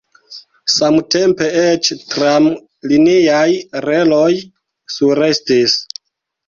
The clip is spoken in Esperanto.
Samtempe eĉ tramliniaj reloj surestis.